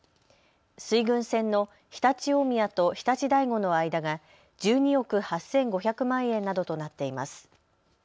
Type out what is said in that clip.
水郡線の常陸大宮と常陸大子の間が１２億８５００万円などとなっています。